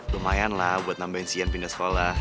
lumayan lah buat nambahin si ian pindah sekolah